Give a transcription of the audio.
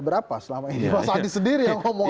berapa selama ini mas andi sendiri yang ngomong